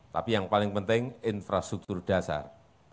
tapi yang paling penting infrastruktur dasar